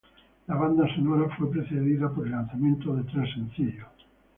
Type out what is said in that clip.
La banda sonora fue precedida por el lanzamiento de tres sencillos.